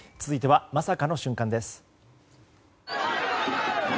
続いてはまさかの瞬間です。